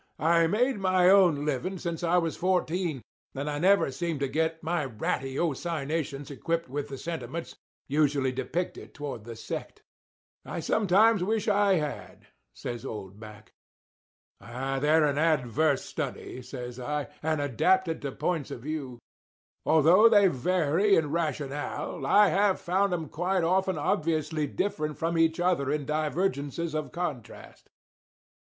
I made my own living since I was fourteen; and I never seemed to get my ratiocinations equipped with the sentiments usually depicted toward the sect. I sometimes wish I had," says old Mack. "They're an adverse study," says I, "and adapted to points of view. Although they vary in rationale, I have found 'em quite often obviously differing from each other in divergences of contrast."